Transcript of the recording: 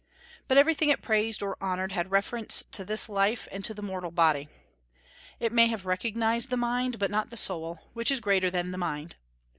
But everything it praised or honored had reference to this life and to the mortal body. It may have recognized the mind, but not the soul, which is greater than the mind.